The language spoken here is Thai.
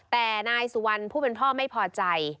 แต่นายสุวรรณผู้เป็นพ่อไม่พอใจ